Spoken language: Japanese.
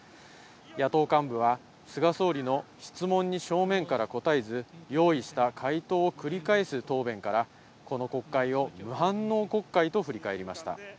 野党幹部は、菅総理の質問に正面から答えず、用意した回答を繰り返す答弁から、この国会を無反応国会と振り返りました。